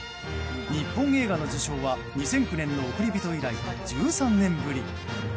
日本映画の受賞は２００９年の「おくりびと」以来１３年ぶり。